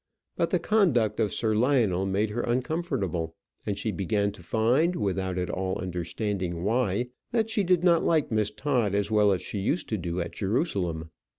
But the conduct of Sir Lionel made her uncomfortable; and she began to find, without at all understanding why, that she did not like Miss Todd as well as she used to do at Jerusalem.